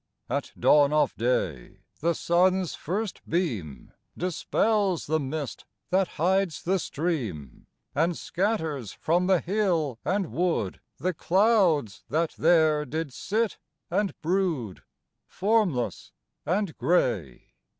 At dawn of day the sun's first beam Dispels the mist that hides the stream, And scatters from the hill and wood The clouds that there did sit and brood, Formless and grey.